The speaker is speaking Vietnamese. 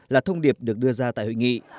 là thông điệp được đưa ra tại hội nghị